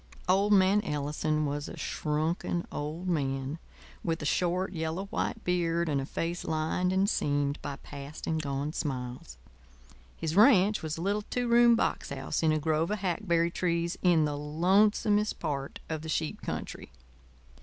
Old man Ellison was a shrunken old man, with a short, yellow white beard and a face lined and seamed by past and gone smiles. His ranch was a little two room box house in a grove of hackberry trees in the lonesomest part of the sheep country.